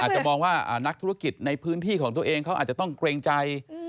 จะมองว่านักธุรกิจในพื้นที่ของตัวเองเขาอาจจะต้องเกรงใจ